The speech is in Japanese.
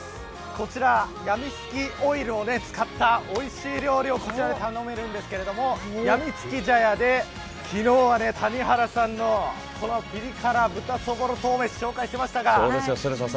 こちら、やみつきオイルを使ったおいしい料理をこちらで頼めるんですがやみつき茶屋で昨日は、谷原さんのピリ辛豚そぼろ豆腐めしを紹介しました。